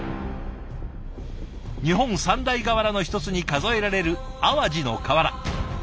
日本三大瓦の一つに数えられる淡路の瓦。